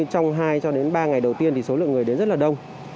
trong hai cho đến ba ngày đầu tiên thì số lượng người đến rất là đông